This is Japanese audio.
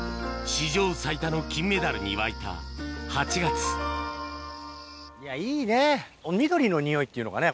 史上最多の金メダルに沸いた８月いやいいね緑のにおいっていうのかね。